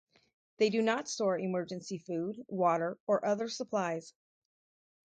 They do not store emergency food, water or other supplies.